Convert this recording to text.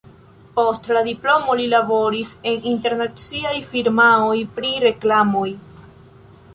Post la diplomo li laboris en internaciaj firmaoj pri reklamoj.